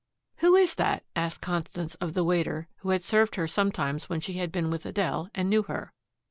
"Who is that?" asked Constance of the waiter who had served her sometimes when she had been with Adele, and knew her.